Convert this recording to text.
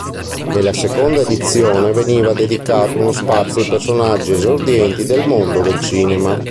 Nella seconda edizione veniva dedicato uno spazio ai personaggi esordienti del mondo del cinema.